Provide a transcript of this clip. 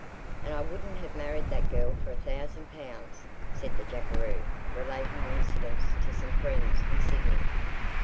"And I wouldn't have married that girl for a thousand pounds," said the jackaroo, relating the incidents to some friends in Sydney.